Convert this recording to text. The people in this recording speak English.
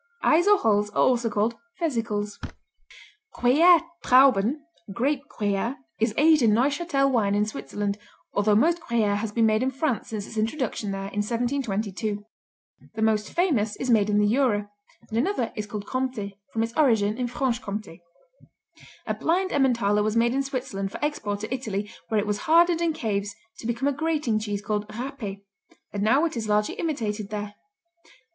Eyes or holes are also called vesicles. Gruyère Trauben (Grape Gruyère) is aged in Neuchâtel wine in Switzerland, although most Gruyère has been made in France since its introduction there in 1722. The most famous is made in the Jura, and another is called Comté from its origin in Franche Comté. A blind Emmentaler was made in Switzerland for export to Italy where it was hardened in caves to become a grating cheese called Raper, and now it is largely imitated there.